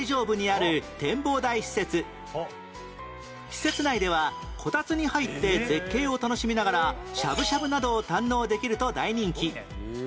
施設内ではこたつに入って絶景を楽しみながらしゃぶしゃぶなどを堪能できると大人気